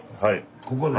ここで？